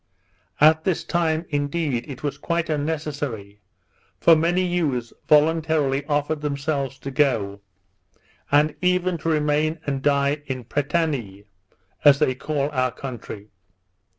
At this time indeed it was quite unnecessary; for many youths voluntarily offered themselves to go, and even to remain and die in Pretanee; as they call our country.